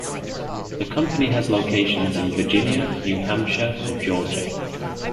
The company has locations in Virginia, New Hampshire, and Georgia.